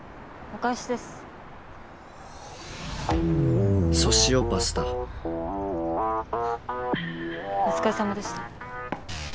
お疲れさまでした。